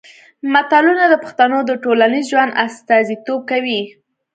متلونه د پښتنو د ټولنیز ژوند استازیتوب کوي